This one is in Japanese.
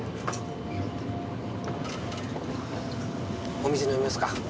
お水飲みますか？